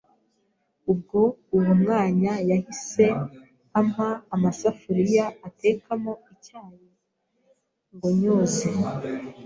Ubwo uwo mwanya yahise ampa amasafuriya atekamo icyayi ngo nyoze,